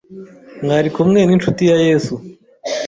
Mwari kumwe n’Inshuti ya yesu